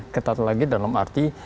ketat lagi dalam arti